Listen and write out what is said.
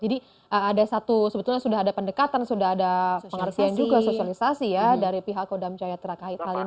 jadi ada satu sebetulnya sudah ada pendekatan sudah ada pengertian juga sosialisasi ya dari pihak kodam jaya terakahai kali ini